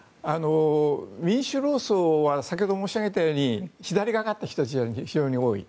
民主労総は先ほど申し上げたように左の人が非常に多い。